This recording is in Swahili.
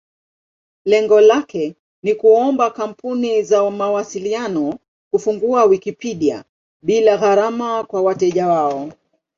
Lengo lake ni kuomba kampuni za mawasiliano kufungua Wikipedia bila gharama kwa wateja wao.